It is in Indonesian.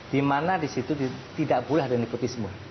di mana di situ tidak boleh ada nepotisme